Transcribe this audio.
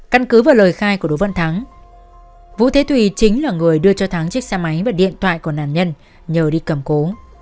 căn cứ vào lời khai của đỗ văn thắng vũ thế thùy chính là người đưa cho thắng chiếc xe máy và điện thoại của nạn nhân nhờ đi cầm cố